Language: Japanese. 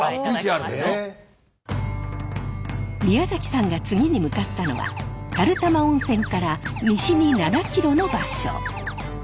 宮崎さんが次に向かったのは垂玉温泉から西に７キロの場所。